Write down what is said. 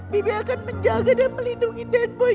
bibi akan menjaga dan melindungi dan boy